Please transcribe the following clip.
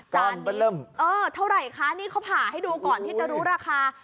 มันก็เริ่มเออเท่าไหร่คะนี่เขาผ่าให้ดูก่อนที่จะรู้ราคา